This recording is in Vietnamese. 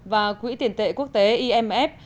và quỹ tiền tệ quốc tế imf